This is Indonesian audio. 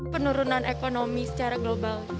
penurunan ekonomi secara global